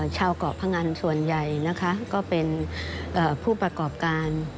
ชาวเกาะพงันส่วนใหญ่นะคะก็เป็นผู้ประกอบการ